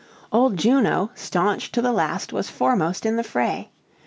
Old Juno, staunch to the last, was foremost in the fray.